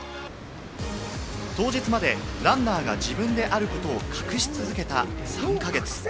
当日までランナーが自分であることを隠し続けた３か月。